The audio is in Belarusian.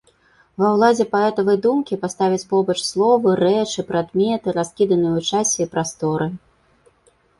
Ва ўладзе паэтавай думкі паставіць побач словы, рэчы, прадметы, раскіданыя ў часе і прасторы.